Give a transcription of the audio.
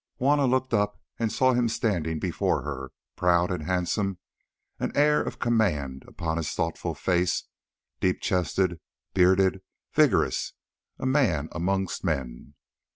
Juanna looked up and saw him standing before her, proud and handsome, an air of command upon his thoughtful face, deep chested, bearded, vigorous, a man amongst men.